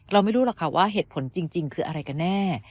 เราไม่รู้หรอกค่ะว่าเหตุผลจริงคืออะไรกันแน่